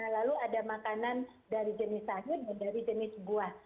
lalu ada makanan dari jenis sayur dan dari jenis buah